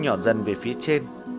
nhỏ dần về phía trên